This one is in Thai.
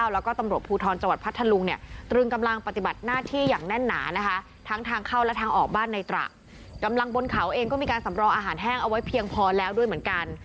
รออาหารแห้งเอาไว้เพียงพอแล้วด้วยเหมือนกัน